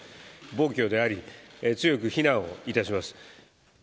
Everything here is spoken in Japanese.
暴挙であり、強く非難をいたします。